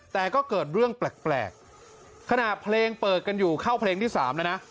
แต่ก็เกิดเรื่องแปลกขณะเพลงเปิดกันอยู่เข้าเพลงที่๓แล้วนะ